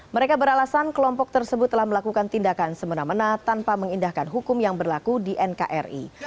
mereka beralasan kelompok tersebut telah melakukan tindakan semena mena tanpa mengindahkan hukum yang berlaku di nkri